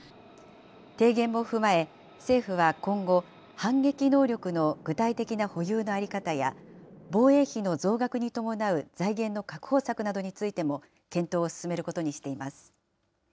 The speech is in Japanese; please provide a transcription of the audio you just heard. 提言も踏まえ、政府は今後、反撃能力の具体的な保有の在り方や、防衛費の増額に伴う財源の確保策などについても検討を進めることにしています。